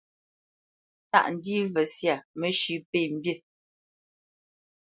Tâʼ ndî mvə syâ mə́shʉ̄ pə̂ mbî.